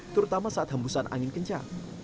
terutama saat hembusan angin kencang